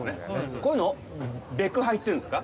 こういうのを「べく杯」って言うんですか？